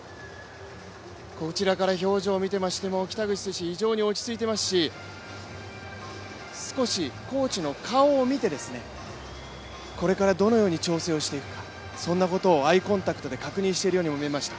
こちらから表情を見てみましても、北口選手、非常に落ち着いていますし、少しコーチの顔を見てこれからどのように調整をしていくか、そのようなことをアイコンタクトで確認しているようにも見えました。